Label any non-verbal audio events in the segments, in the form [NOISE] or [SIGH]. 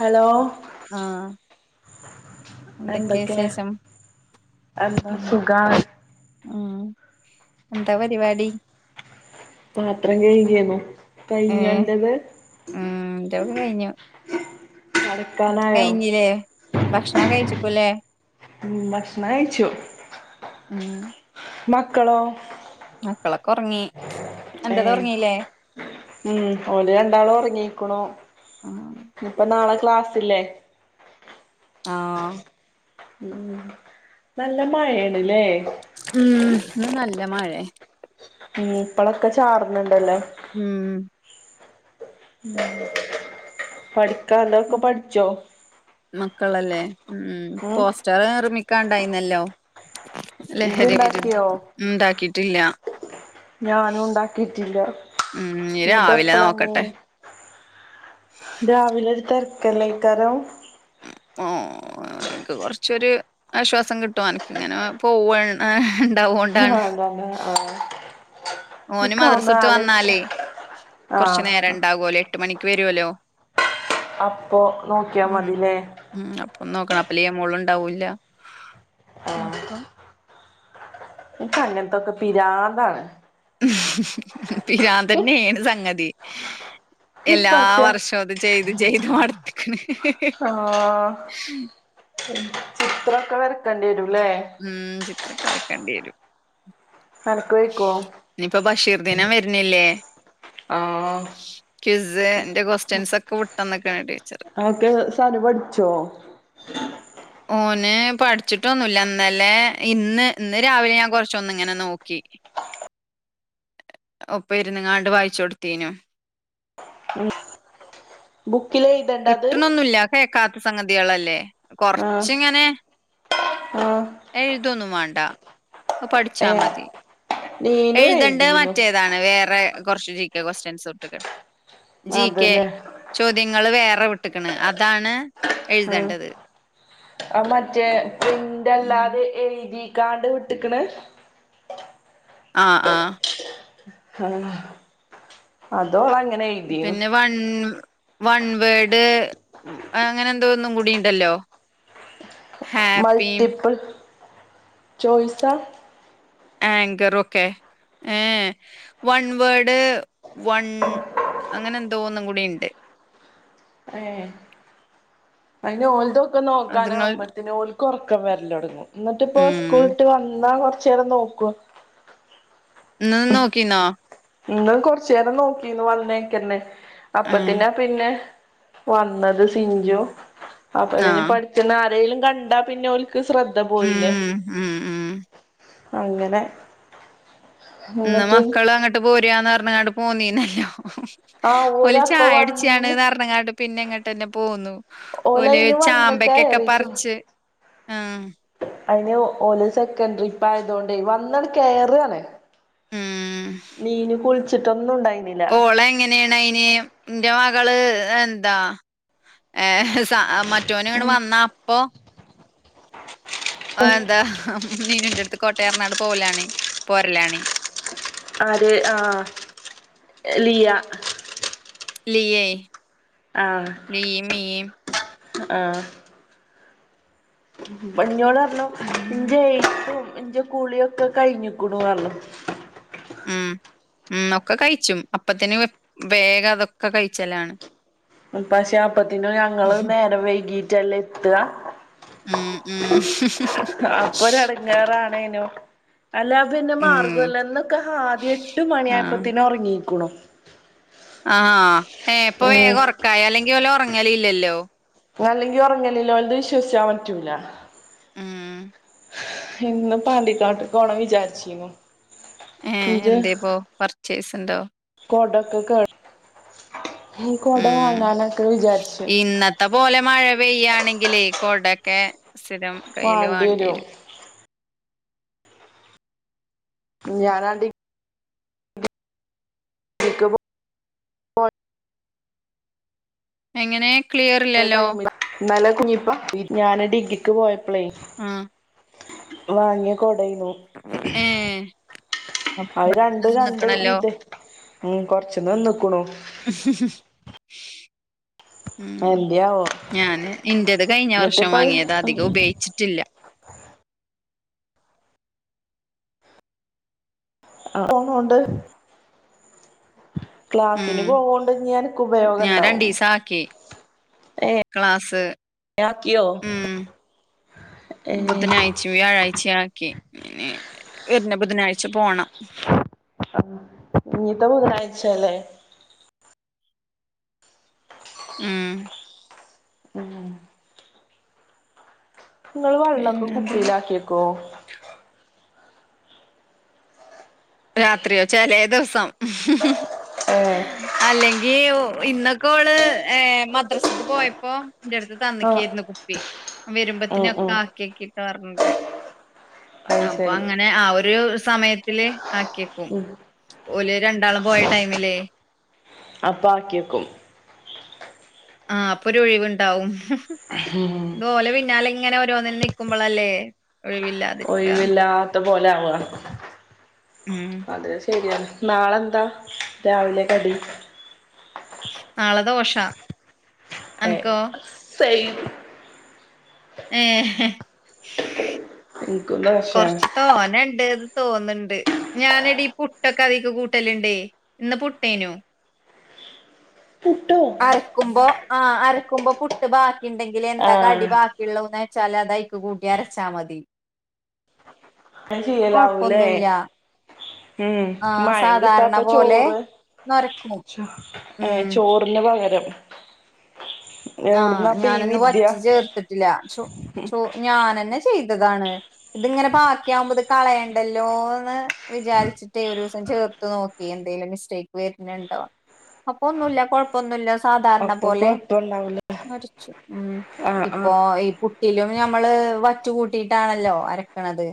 Hello ആഹ് എന്തൊക്കെയാ എന്തൊക്കെ വിശേഷം എന്താ ഉം സുഖാ ഉം എന്താ പരിപാടി പാത്രം കഴുകെന്നും കഴിഞ്ഞോ ഏഹ് അന്റേത് മറ്റ കഴിഞ്ഞില്ലേ ഭക്ഷണം കഴിച്ചികുലേ ഉം ഭക്ഷണം കഴിച്ചു ഉം മക്കളോ മക്കളൊക്കെ ഒറങ്ങി അന്റത് ഏയ് ഉറങ്ങീല്ലേ ഉം ഓല് രണ്ടാളും ഉറങ്ങിക്കുണു ഉം ഇപ്പ നാളെ ക്ലാസ്സില്ലെ ആ ഉം നല്ല മഴയാണില്ലേ ഉം ന്ന് നല്ല മഴെ ഉം ഇപ്പളൊക്കെ ചാർന്ന്ണ്ടല്ലേ ഉം ഉം പഠിക്കാളാക്കെ പഠിച്ചോ മക്കളല്ലേ ഉം പോസ്റ്റർ നിർമിക്കാണ്ടായിന്നല്ലോ ഇജ്ജ് ലഹരി വിരുദ്ധം ഇണ്ടാക്കിയോ ഇണ്ടാക്കിട്ടില്ല ഞാനും ഉണ്ടാക്കിട്ടില്ല ഉം ഇനി എന്നിട്ട് രാവിലെ എപ്പളാങ്ങീ നോക്കട്ടെ രാവിലെ ഒരു തിരക്കല്ലേക്കാനും ആ എനിക്ക് കൊറച്ചൊരു ആശ്വാസം കിട്ടും അനക്ക് ഇങ്ങനെ പോവണ ആ അതന്നെ ആ ഓന് നിക്ക മദ്രസ ഒന്ന് വിട്ട് ആലോചിച്ച വന്നാലേ കൊറച്ച് ആഹ് നേരം ഉണ്ടാവുല്ലോ എട്ട് മണി ക്ക് വരുവല്ലോ അപ്പൊ നോക്കിയാ ഉം മതീല്ലേ ഉം നോക്കണം അപ്പോ വലിയ മോളുണ്ടാവൂല്ല അപ്പൊ ഇക്ക് അങ്ങനത്തൊക്കെ പിരാന്താണ്. പിരാന്ത് തന്നെയാണ് സംഗതി. എല്ലാ പക്ഷെ വർഷവും അത് ചെയ്ത് ചെയ്ത് മാടുത്തിക്കണ് ഉം ചിത്രവൊക്കെ വരക്കേണ്ടി വരും. ഉം ചിത്രവൊക്കെ വരക്കേണ്ടി വരും. കലക്കി ഒഴിക്കുവോ ഇതിന് വരണില്ലേ ആഹ് ക്വിസിന്റെ കൊസ്റ്റ്യൻസൊക്കെ വി ട്ടന്നൊക്കെ വേണ്ടി അതൊക്കെ സാലു പഠിച്ചോ ഓന് പഠിച്ചിട്ടൊന്നും ഇല്ല ഇന്നലെ ഇന്ന് ഇന്ന് രാവിലെ ഞാൻ കൊറച്ചൊന്ന് ഇങ്ങനെ നോക്കി. ഒപ്പം ഇരുന്നങ്ങാണ്ട് വായിച്ച് കൊടുത്തീനു ബുക്കില് എഴുതണ്ടത് കിട്ടണോന്നൂല്ല കേക്കാ. സംഗതികളല്ലേ ആഹ് കൊറച്ചിങ്ങനെ ആഹ് എഴുതൊന്നും വേണ്ട പഠിച്ചാ ഏഹ് മതി നീനു എഴുതേണ്ട എഴുതീനു മറ്റേതാണ് വേറെ കോർച് ജികെ കൊസ്ട്യൻസ് കൊടുത്തിക്കണ് ജികെ അതല്ലേ ചോദ്യ വേറെ വിട്ട്ക്കണ് അതാണ് ആ എഴുതേണ്ടത്. ആ മറ്റെ ഉം പ്രിന്റല്ലാതെ എഴുതി കാണ്ട് വിട്ടിക്കണ്. ആഹ് ആഹ് ഉം അതോള പിന്നെ വൺ വൺവേഡ് അങ്ങനെ എന്തോ ഒന്നും കൂടിണ്ടല്ലോ. ഹാപ്പിയും മൾട്ടിപ്പൽ ചോയിസാ ആങ്കറൊക്കെ വൺ വേഡ് വൺ അങ്ങനെന്തോ ഒന്നും കൂടിണ്ട് അതിന് ഓലതൊക്കെ അത് നിങ്ങൾ നോക്കാനാവുമ്പത്തന് ഓൽക്ക് ഒറക്കം വരല് തുടങ്ങും. എന്നിട്ട് പ്പ ഉം സ്കൂളിട്ട് വന്നാ കൊറച്ചേരം നോക്കും. ന്ന് നോക്കീന്നോ ഇന്ന് കൊറച്ചേരം നോക്കിന്ന് വന്നേക്കന്നെ ഏഹ്. അപ്പത്തിനാ പിന്നെ വന്നത് സിഞ്ചു അപ്പൊ അതിന് ആഹ്. പഠിച്ചുന്ന ആരെലും കണ്ടാ പിന്നെ ഓൽ ക്ക് ശ്രദ്ധ ഉം. പോയില്ലേ ഉം. ഉം. അങ്ങനെ ഇന്ന് എന്നിട്ട് മക്കള് അങ്ങോട്ട് പോര് ആന്ന് പറഞ്ഞങ്ങാട്ട് പോന്നീനല്ലോ. ആ ഓല് ഓരപ്പ ചായടിച്ചാണ് വന്ന് പർണങ്ങാണ്ട് പിന്നെ എങ്ങോട്ട് തന്നെ പോന്നു. ഓല് ഓലയിന് വന്ന് ചാമ്പക്കൊക്കെ കയറിട്ടൊള്ളു പറിച്ച് ആഹ് അയിന് ഓല് സെക്കൻഡറി ഇപ്പായതൊണ്ടേ വന്നങ്ങട് കേറ്കാണ്. നീന് കുളിച്ചിട്ടൊന്നുംണ്ടായി ഓള് എങ്ങനേണ്. മെ ഇന്റെ മകള് എന്താ ഏഹ് സ മ മറ്റോന്ട് വന്ന അപ്പൊ ആഹ് എന്താ നീനുന്റെ അടുത്ത് കോട്ടെ പറഞ്ഞി പോവലാണ് പോരലാണ്. ആര് ആഹ് ലിയ. ലിയേ ആഹ് ലിയേം മിയേം ആഹ് ഞ്ഞോൾ പറഞ്ഞു ഇഞ്ചേ ക്കും ഇന്റെ കുളിയൊക്കെ കഴിഞ്ഞിക്ക്ണു പർഞ്ഞു. ഉമ് ഉമ് ഒക്കെ കഴിച്ചും അപ്പത്തിന് വേഗം അതൊക്കെ കഴിച്ചലാണ്. ഉമ് പക്ഷെ അപ്പത്തിനു ഞങ്ങള് നേരെ വൈകീട്ടല്ലേ എത്ത ഉം. ഉം. അപ്പൊരു എടങ്ങാറാണേനോ. അല്ല പിന്നെ മാർഗം ഉം. ല്ല ഇന്നൊക്കെ ആതി എട്ട് മണി ആ. ആയപ്പത്തിനെ ഉറങ്ങീക്ക്ണു. ആഹ് ഏഹ് ഇപ്പൊ വേഗം ഉറക്കായി അല്ലെങ്കി ഓല് ഉറങ്ങല് ഇല്ലല്ലോ അല്ലെങ്കി ഉറങ്ങല്ലില്ല ഓൽതെ വിശ്വസിക്കാൻ പറ്റൂല ഉമ് ഇന്ന് പാണ്ടിക്കാട്ട് പോണം വിചാരിച്ചിനൂ ഏഹ് എന്തേയിപ്പോ പർച്ചേസ് ഉണ്ടോ [UNINTELLIGIBLE] ഈ കൊട ഉം. വാങ്ങാനൊക്കെ വിചാരിച്ചു വെയ്യാണെങ്കിലേ കൊടൊക്കെ സ്ഥിരം കയ്യിൽ വാണ്ടി വരും ഞാനാണ്ടി [UNINTELLIGIBLE] എങ്ങനെ ക്ലിയർ പോയ ഇല്ലല്ലോ ടൈമില് ഇന്നലെ കുഞ്ഞിപ്പ ഞാന് ഡിഗ്രിക്ക് പോയപ്പളെ ആ. വാങ്ങിയ കൊ തയ്നു ഏഹ്. അത് രണ്ട് രണ്ട് നിക്കണല്ലോ? ഇത് ഉമ് കൊറച്ച് നിന്ന്ക്ക്ണു ഉം. എന്ത്യാ ഞാന് ഇന്റത് കഴിഞ്ഞ വർഷം അത് വാങ്ങിയത അധികം ഉപയെച്ചിറ്റില്ല ആഹ് പോണോണ്ട് ക്ലാസിന് ഉം പോകോണ്ട് ഇഞ്ഞി അനക്ക് ഉപയോഗം ഞാൻ ഇണ്ടാവും രണ്ടീസം ആക്കി ക്ലാസ് ഏഹ് ആക്കിയോ ഏ ബുധനായ്ച്ചും വ്യാഴായ്ച്ചെ ആ ക്കി ന്നി വര്ന ബുധനായ്ച പോണം ആഹ് ഇനിത്തെ ബുധനായ് ച അല്ലെ മം ഉം നിങ്ങള് വള്ളൊക്കെ പിന്നെന്താ കുപ്പിലാക്കിക്വോ രാത്രിയോ ചെലേദോസം ഏഹ് അല്ലെങ്കി ഇന്നൊക്കെ ഓള് ഏഹ് മദ്രാസക്ക് പോയപ്പോ എന്റെടുത്ത് ആഹ് തന്നെക്യാര്ന്ന് കുപ്പി ഉം വരുമ്പത്തിന്ക്കെ ഉം ആക്യെക്ക്ട്ടോറഞ്ഞിട്ട് അത് അപ്പൊ ശരി അങ്ങനെ ആ ഒരു സമയത്തില് ആക്യെക്കും ഉം ഓല് രണ്ടാളും പോയ ടൈമില്ലേ അപ്പൊ ആക്കിയെക്കും ആഹ് അപ്പൊരു ഒഴിവുണ്ടാവും ഇത് ഓലെ പിന്നാലേ ഇങ്ങനെ ഒ [UNINTELLIGIBLE] നിക്കുമ്പളല്ലേ ഒഴിവില്ലാതിരിക്ക ഒയ് വില്ലാത്ത പോലെ ആവ ഉം അത് ശരിയ നാളെന്താ രാവിലെ കടി നാളെ ദോശാ ഏഹ് അനക്കോ സെയിം ഏഹ് ഇൻക്കും ദോശേണ് കൊറച്ച് തോന ഇണ്ട് തോന്ന്ണ്ട് ഞാനേടി ഈ പുട്ടൊക്കെ അതിക്ക് കൂട്ടലുണ്ടേ ഇന്ന് പുട്ടേയിനു പുട്ടോ അരക്കുമ്പോ ആഹ് അരക്കുമ്പോ പുട്ട് ബാക്കി ഇണ്ടെങ്കില് എന്താ ആഹ് കടി ബാക്കിയുള്ളെന്ന് ച്ചാല് അത് അയിക്ക് കൂട്ടി അരച്ചാ മതി അത് ചെയ്യലാവൂലേ? കൊഴപ്പൊന്നുല്ല ഉം ആ മയം സാധാരണ കിട്ടാപ്പം പോലെ ചോറ് നൊരക്കും ചോ ഉം ഏഹ് ചോറിന് പകരം ആഹ് എവിടുന്നാപ്പ ഈ ഞാനിന്ന് വിദ്യ വറ്റ് ചേർത്തിട്ടില്ല ചോ ചോ ഞാനെന്നെ ചെയ്തതാണ് ഇതിങ്ങനെ ബാക്കിയാകുമ്പോ ഇത് കളയണ്ടല്ലോന്ന് വിചാരിച്ചിട്ടേ ഒരു ദിവസം ചേർത്ത് നോക്കി എന്തേലും മിസ്റ്റേക്ക് വെരുണുണ്ടോ അപ്പൊ ഒന്നുല്ല കൊഴപ്പൊന്നുല്ല സ് സാധാരണ അപ്പൊ പോലെ കൊഴപ്പണ്ടാവൂല അരച്ചു ഉം ആഹ് ആഹ് ഇപ്പോ ഈ പുട്ട് ട്ടിലും ഞമ്മള് വറ്റ് കൂട്ടിട്ടാണല്ലോ അരക്കണത്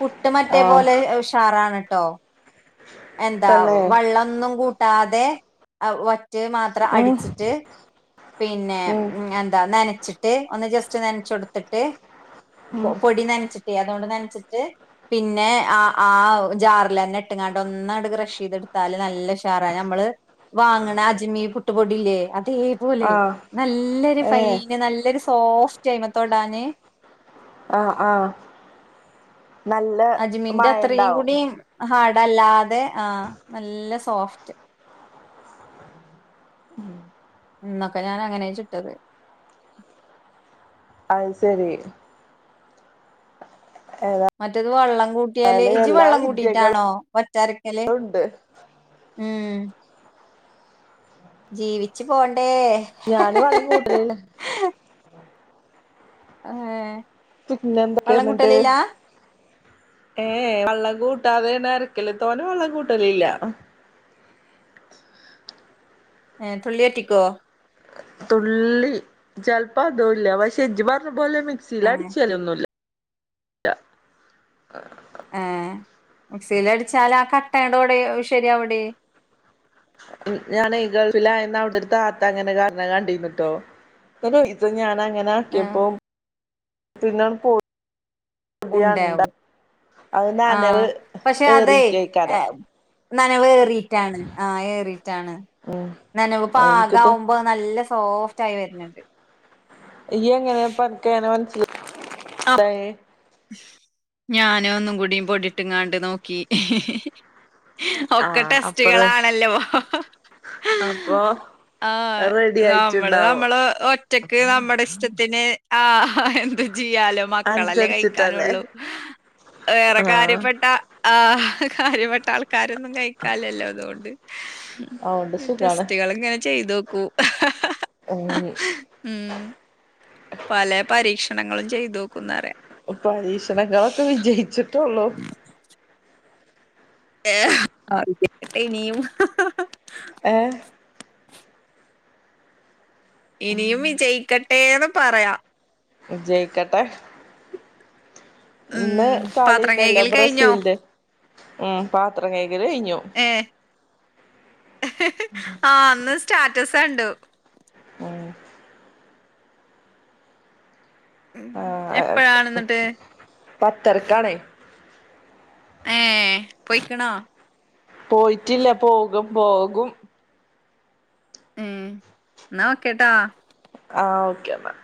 പുട്ട് പുട്ട് മറ്റേ ആഹ് പോലെ ഉഷാറാണ് ട്ടോ എന്താ തന്നെ വെള്ളാന്നും കൂട്ട് ട്ടാതെ വറ്റ് മാത്രം ഉം അടിച്ചിട്ട് പിന്നെ ഉം എന്താ നനച്ചിട്ട് ഒന്ന് ജസ്റ്റ് നനച്ചൊടുത്തിട്ട് പൊ ഉം പൊടി നനച്ചിട്ടേ അതോണ്ട് നനച്ചിട്ട് പിന്നെ ആഹ് ആഹ് ജാറിലന്നെ ഇട്ട്ങ്ങാണ്ട് ഒന്നങ്ങട് ക്രഷ് ചെയ്തെടുത്താല് നല്ല ഉഷാറാ ഞമ്മ മുള് വാങ്ങണ അജ്മി പുട്ടുപൊടില്ലേ അതേ പോലെ ആഹ് നല്ലൊരു ഏഹ് ഫൈന് നല്ലൊരു സോഫ്റ്റ് അയിനെ തൊടാന് ആഹ് ആഹ് നല്ല അജ്മിന്റെ അത്രയും മഴണ്ടാവും കൂടി ഹാഡ് അല്ലാതെ ആഹ് നല്ല സോഫ്റ്റ് ഇന്നൊക്കെ ഞാൻ അങ്ങനെ ചുട്ടത് അത് ശരി ഏതാ ഇത് വെള്ളം കൂട്ടിയാല് ഇജ് വെള്ളം കൂട്ടിയിറ്റാണോ വറ്റ് അര [UNINTELLIGIBLE] ഉണ്ട്. ഏഹ് ജീവിച്ച് പോണ്ടേ. ഞാന് വള്ളം കൂട്ടലില്ല. അങ്ങേ പിന്നെ എന്തൊക്കെ ഇന്നട്ട് ഏഹ് ഏഹ് വള്ളം കൂട്ടാതേണ് അരക്കല്. തോന വള്ളം കൂട്ടലില്ല. ഏഹ് തുള്ളിയറ്റിക്കോ തുള്ളി ചെൽപ്പൊ അതുംല്ല. പശേ ഇജ്ജ് പർഞ്ഞ പോലെ മിക്സിയില ഏഹ് ട്ച്ചൊലൊന്നുല്ല. ഏഹ് മിക്സീൽ അടിച്ചാല് ആ കട്ടയൊണ്ട്വിടെ ശരിയാവൊടി. ഞാനേ ഗൾഫിലായന്ന് അവ്ടൊരു താത്ത അങ്ങനെ കാര്ണ കണ്ടിന്നുട്ടോ. ഇതു ഞാന ങ്ങനെ ആഹ് ആക്കിയപ്പം പിന്നെ പൊടി ഉണ്ടാവും [UNINTELLIGIBLE] അവ് നനവ് ആഹ് പക്ഷെ അതെ ഏറിയിട്ടേക്കാരം. നനവ് ഏറിയിട്ടാണ് ആഹ് ഏറിട്ടാണ്. ഉം നനവ് എനിക്ക് തോ പാകാവുമ്പോ നല്ല സ് സോഫ്റ്റ് ആയി വര്ന്ന്ണ്ട്. ഇയ്യെങ്ങനെ പ്പൻക്കങ്ങനെ മൻസ്സിലായെ? ഞാനൊന്നും കൂടി പൊടിട്ട്ങ്ങാണ്ട് നോക്കി. ഒക്കെ ആഹ് അപ്പറേ ടെസ്റ്റ്കളാണല്ലോ. അപ്പൊ ആഹ് റെഡി നമ്മള് ആയിട്ടുണ്ടാവും നമ്മള് ഒറ്റക്ക് നമ്മുടെ ഇഷ്ട ത്തിന് ആഹ് ആഹ് എന്തും ചെയ്യാലോ മക്കളല്ലേ കയി അനുസരിച്ചിട്ടല്ലേ ക്കാനുള്ളൂ. വേറെ ആഹ് കാര്യപ്പെട്ട ആഹ് കാര്യപ്പെട്ട ആൾക്കാരൊന്നും കഴിക്കാലല്ലോ അതുകൊണ്ട് അതൊണ്ട് ഈ സുഖാണ് ടെസ്റ്റുകൾ ഇങ്ങനെ ചെയ്തോക്കും [UNINTELLIGIBLE] പല പരീക്ഷണങ്ങളും ചെയ്തു നോക്കുന്നറയാം പരീക്ഷണങ്ങളൊക്കെ വിജയിച്ചിട്ടൊള്ളൂ ഏഹ് കേട്ടെ ഇനിയും ഏഹ് ഇനിയും വിജയിക്കട്ടേന്ന് പറയാം വിജയിക്കട്ടെ ഇന്ന് ഉം പാത്രം കളിണ്ടല്ലോ കൈകൽ കഴിഞ്ഞോ? ബ്രസീൽന്റെ ഉം പാത്രം കഴുകല് കഴിഞ്ഞു ഏഹ്. ആഹ് അന്ന് സ്റ്റാറ്റസ് കണ്ടു ഉം ഉ എപ്പഴാണ ന്നിട്ട് പത്തരക്കണേ ഏ പോയിക്കണോ പോയിട്ടില്ല പോകും പോകും ഉം എന്ന ഓകേ ട്ടാ ആ ഓക്കെ എന്നാൽ